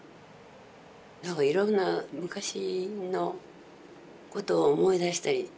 何かいろんな昔のことを思い出したりはしますね。